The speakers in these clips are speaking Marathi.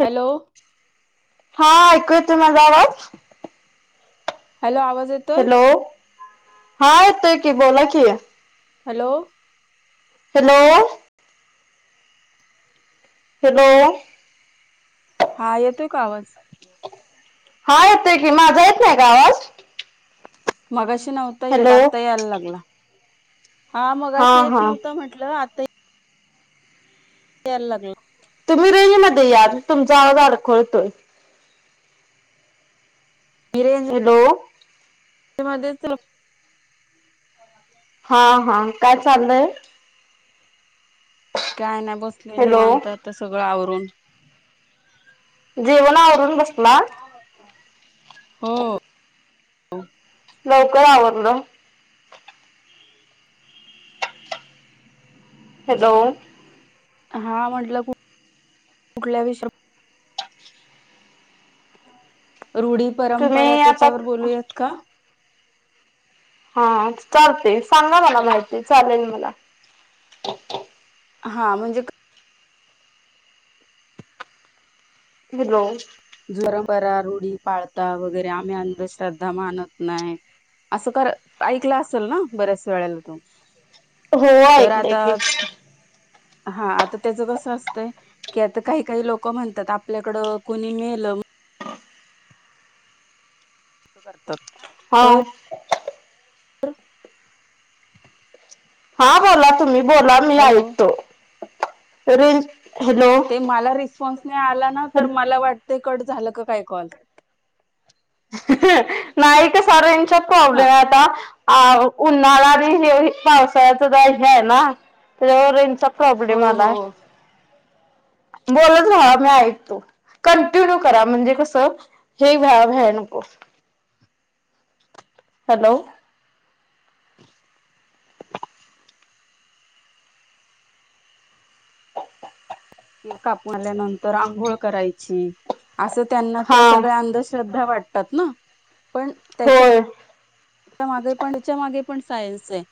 ह हॅलो. हा ऐकु येतोय माझा आवाज? हॅलो आवाज येत हॅलो. हा येतोय कि, बोला की. हॅलो. हॅलो. हॅलो. हा येतोय का आवाज? हा येतोय की, माझा येतोय का आवाज? मघाशी नव्हता येत, हॅलो आत्ता यायला लागला. हा मगाशी येत नव्हता म्हटलं आता येत यायला लागला. तुम्ही रेंज मध्ये या, तुमचा आवाज अडखळतोय. ए. एल. हॅलो. ते मध्येच चा हा हा काय चाललंय? काय नाय बसले हॅलो निवांत आता सगळं आवरून. जेवणं आवरून बसलात? हो लवकर आवरलं. हॅलो. हा म्हटलं कुठल्या विषयावर रूढी परंपरा तुम्ही आता त्यांच्यावर बोलूयात का? हा चालतंय सांगा मला माहिती चालेल मला हा म्हणजे [unintelligible] परंपरा रुढी पाळता वगैरे आम्ही अंधश्रद्धा मानत नाही असं कर ऐकलं असेल ना बऱ्याच वेळेला तो हो ऐकलय की हा आता त्याचं कसं असतंय की आता काही काही लोक म्हणतात आपल्याकड कुणी मेल करतर [inaudible] हा हा बोला तुम्ही बोला मी हॅलो ऐकतो रेंज हॅलो ते मला रिस्पॉन्स नाही आला ना तर मला वाटत कट झालं का काय कॉल नाही कसा रेंजचा हा प्रॉब्लेम आहे आता अ उन्हाळा आणि हे पावसाळ्याच जरा हे आहे ना त्यांच्यामुळे रेंजचा हो प्रॉब्लेम हो आलाय. बोलत राहा मी ऐकतो कंटिन्यू करा म्हणजे कसं हे व्या भण हो हॅलो [unintelligible] कापुन आल्यानंतर अंघोळ करायची असं त्यांना हा त्या सगळ्या अंधश्रद्धा वाटत म्हणतात ना पण त्यांच्या होय त्याच्या मागे पण त्याच्या मागे पण सायन्स आहे.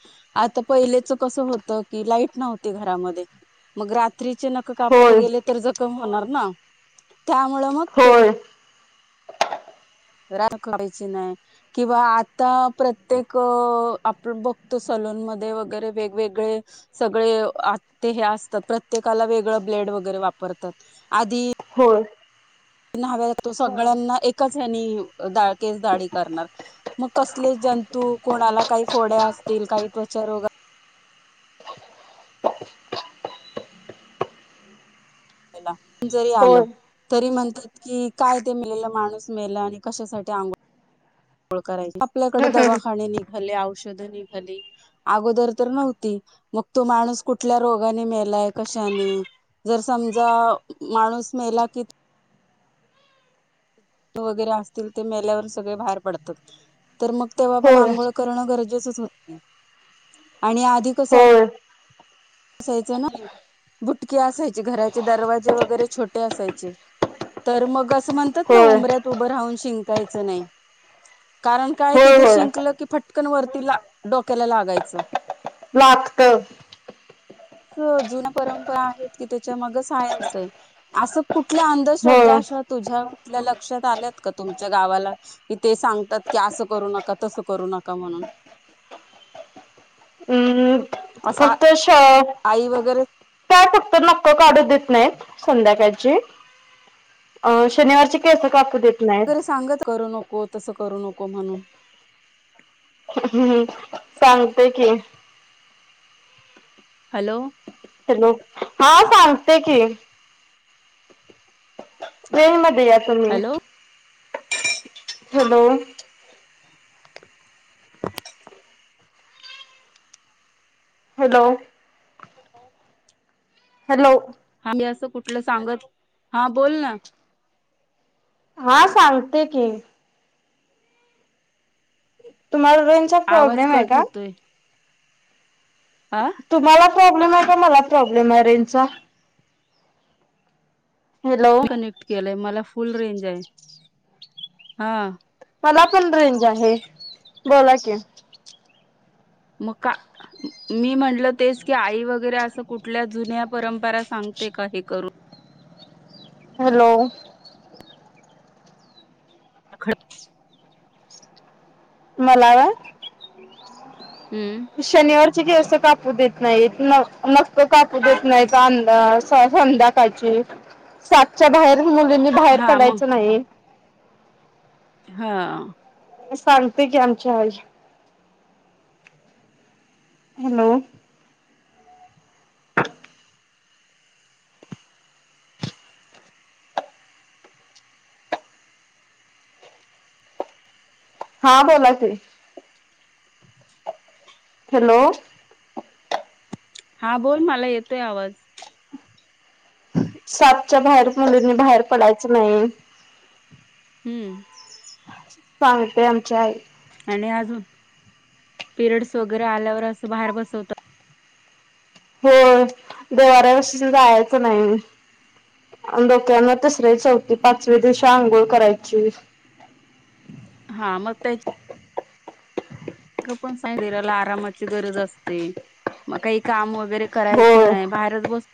आता पहिलेच कसं होत की लाईट नव्हती घरामध्ये मग रात्रीची ना नख कापायला होय गेले तर जखम होणार ना त्यामुळं मग ते लोक होय [unintelligible] काढायची नाही. किंवा आता प्रत्येक आपण बघतो सलून मध्ये वगैरे वेगवेगळे. सगळे हत्ते हे असतं प्रत्येकाला वेगळं ब्लेड वगैरे वापरतात आधी. होय. न्हाव्या [unintelligible] सगळ्यांना एकाच हेनी दा केस दाडी करणार मग कसले जंतू कोणाला काही फोड्या असतील काही त्वचा रोग [unintelligible] जरी आल. होय तरी म्हणतात की काय ते मेलंल माणूस मेल आणि कशासाठी अंघोळ [unintelligible] कराय आपल्याकडे होय दवाखाने निघाले औषधं निघाली. अगोदर तर नव्हती मग तो माणूस कुठल्या रोगाने मेलाय कशाने जर समजा माणूस मेला की वगैरे असतील ते मेल्यावर सगळे बाहेर पडतात तर मग तेव्हा पण होय अंघोळ करण गरजेच होतं की, आणि आधी कसं होय असायचं ना बुटके असायचे घराचे दरवाजे वगैरे छोटे असायचे तर मग असं म्हणतात ना होय उंभऱ्यात उभं राहून शिंकायचं नाही कारण काय होय तिथे होय शिंकलं की फटकन वरती डोक्याला लागायचं लागतं जुन्या परंपरा आहेत की त्याच्या मग सायन्स आहे असं कुठल्या अंधश्रद्धा होय अशा तुझ्या लक्षात आल्यात का तुमच्या गावाला येथे ते सांगतात की असं करू नका तसं करू नका म्हणून हं हं. असा छ. आई वगैरे? क काढू देत नाहीत संध्याकाळची. अ शनिवारची केस कापू देत वगैरे सांगत करू नको तसं करू नको म्हणून. हम्म हम्म. सांगते की. हॅलो. हॅलो. हा, सांगते की. रेंज मध्ये या तुम्ही. Hello hello. हॅलो. [inaudible] हॅलो. हा मी असं कुठलं सांगत, हा बोल ना. हा, सांगते की. तुम्हाला रेंजचा आवाज प्रॉब्लेम आहे कट काय? आ. तुम्हाला प्रॉब्लेम आहे का मला प्रॉब्लेम आहे रेंजचा. हॅलो कनेक्ट केलाय मला फुल रेंज आहे हा. मला पण रेंज आहे बोला कि. मग का मी म्हणलं तेच की आई वगैरे असं कुठल्या जुन्या परंपरा सांगते का हे करू हॅलो. खरचं मला व्हय, हम्म शनिवारची केस काप पू देत नाहीत, न नक्क कापू देत नाही अंदा संध्याकाळची. सातच्या बाहेर मुलींनी बाहेर हा मग पडायचं नाही. हां. सांगते की आमची आई. हॅलो हा बोला की. हॅलो. हा बोल मला येतोय आवाज. सातच्या बाहेर मुलींनी बाहेर पडायचं नाही. हम्म. सांगते आमची आई. आणि अजून पिरियड्स वगैरे आल्यावर असं बाहेर बसवतात होय. देवाऱ्यापशी तेन जायाचं नाही. आणि डोक्यावरन तिसरी, चौथी, पाचवी दिवशी आंघोळ करायची. हा मग त्या [unintelligible] आरामाची गरज असते मग काही काम वगैरे करायच होय नाही. बाहेरच बसू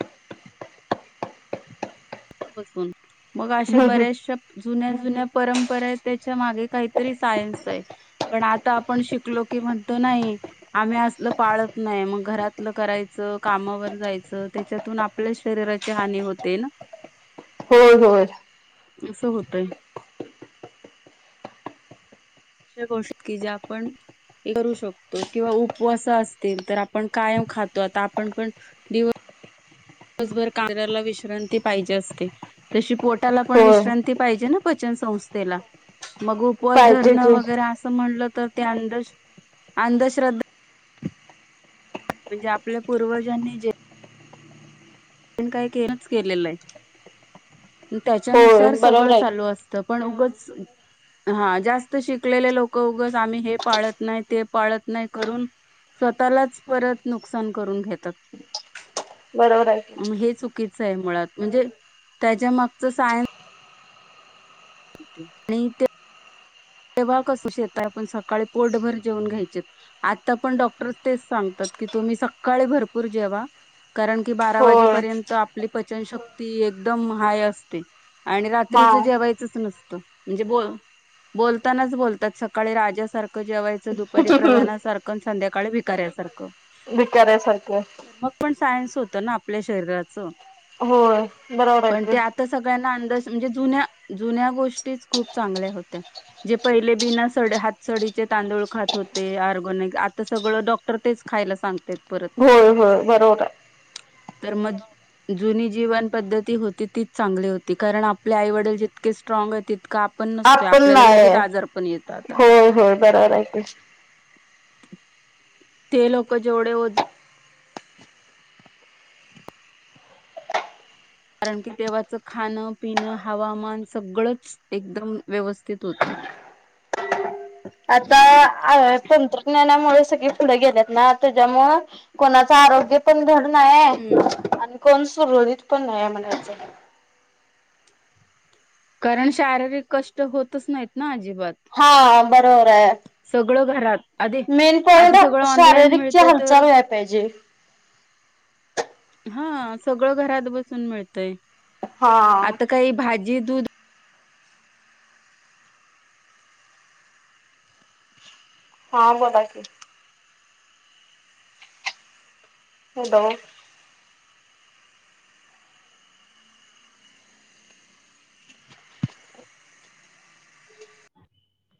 बसवून मग अशा बऱ्याचशा जुन्या जुन्या परंपरा आहेत त्याच्या मागे काहीतरी सायन्स आहे. पण आता आपण शिकलो की म्हणतो नाही. आम्ही असलं पाळत नाही, मग घरातलं करायचं कामावर जायचं, त्याच्यातून आप आपल्या शरीराची हानी होते ना? होय होय. असं होतय. दुसरी गोष्टी की जे आपण करू शकतो, किंवा उपवास असतील तर आपण कायम खातो आता आपण पण दिवस दिवसभर काम शरीराला विश्रांती पाहिजे असते तशी पोटाला पण होय विश्रांती पाहिजे ना पचन संस्थेला? मग उपवास पाहिजे धरण की वगैरे असं म्हटलं तर ते अं अंधश्रद्धा म्हणजे आपल्या पूर्वजांनी जे काही [unintelligible] केलेलं आहे होय त्याच्यानुसार सगळं बरोबर आहे चालू की असत त, पण उगंच हा जास्त शिकलेले लोक उगच आम्ही हे पाळत नाही, ते पाळत नाही, करून स्वतःलाच परत नुकसान करून घेतात. बरोबर आहे. की म हे चुकीच आहे मुळात, म्हणजे त्याच्या मागच सायन्स आणि ते तेव्हा कसं शेतात आपण सकाळी पोटभर जेवन घ्यायचेत आता पण डॉक्टर तेच सांगतात की तुम्ही सकाळी भरपूर जेवा कारण की बारा होय वाजेपर्यंत आपली पचनशक्ती एकदम हाय असते आणि हा रात्रीच जेवायचंच नसतं, म्हणजे ब बोलतानाच बोलतात सकाळी राजासारखं जेवायचं, दुपारी प्रधानासारखं पण संध्याकाळी भिकार्यासारखं. भिकाऱ्यासारख. तर मग पण सायन्स होतं ना आपल्या शरीराचं. होय बरोबर आहेे की. त सगळ्यांना आंद म्हणजे जुन्या जुन्या गोष्टीच खूप चांगल्या होत्या जे पहिले बिना स हात सडीचे तांदूळ खात होते ऑर्गनिक, आता सगळं डॉ तर तेच खायला सांगतेत परत होय होय बरोबर हाय. तर म जुनी जीवन पद्धती होती तीच चांगली होती, कारण आपले आईवडील जितके स्ट्राग आहेत तितक आप पण नसतोय आपण आपल्याला नाही लगेच आजार पण येत आता. होय होय बरोबर हाय की. ते लोक जेवढे ओज कारण की तेंव्हाच खाणं, पिणं, हवामान सगळंच एकदम व्यवस्थित होतं. आता तंत्रज्ञानामुळे सगळी फुड गेलेत ना त्याच्यामुळ कोणाचं आरोग्य पण धड नाही हाय, हम्म. आणि कोण सुरळीत पण नाही हाय म्हणायचं. कारण शारीरिक कष्ट होतच नाहीत ना अजिबात. हा बरोबर हाय. सगळं घरात. आधी मेन पॉईंट आधी सगळं ऑनलाईन शारीरिक ची मिळतय तर हालचाल व्हायला पाहिजे. हा सगळं घरात बसून मिळतय, हा आता काही भाजी, दूध हा बोला की. हॅलो.